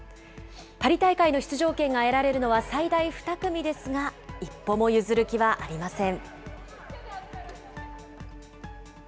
パリ大会の出場権が得られるのは最大２組ですが、一歩も譲る気はありません。